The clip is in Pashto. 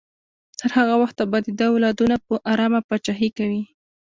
تر هغه وخته به د ده اولادونه په ارامه پاچاهي کوي.